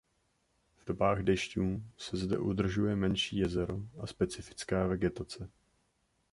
V dobách dešťů se zde udržuje menší jezero a specifická vegetace.